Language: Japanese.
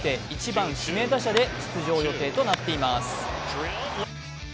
１番・指名打者で出場予定となっています。